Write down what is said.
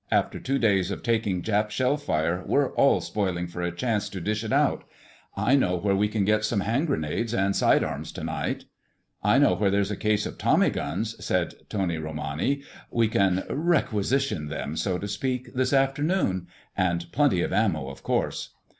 "After two days of taking Jap shellfire we're all spoiling for a chance to dish it out. I know where we can get some hand grenades and side arms tonight." "I know where there's a case of tommy guns," said Tony Romani. "We can 'requisition' them, so to speak, this afternoon. And plenty of ammo, of course."